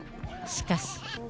しかし。